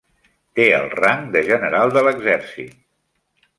Té el rang de general de l'exèrcit.